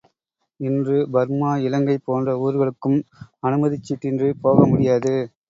இன்று பர்மா, இலங்கை போன்ற ஊர்களுக்கும் அனுமதிச் சீட்டின்றிப் போகமுடியாது.